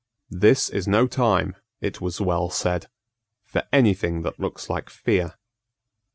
"This is no time," it was well said, "for any thing that looks like fear."